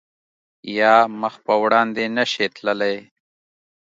یا مخ په وړاندې نه شی تللی